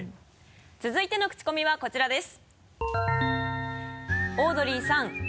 続いてのクチコミはこちらです。